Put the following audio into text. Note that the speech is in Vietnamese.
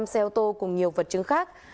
năm xe ô tô cùng nhiều vật chứng khác